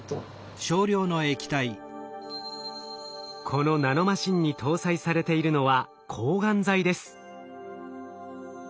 このナノマシンに搭載されているのは抗がん剤です。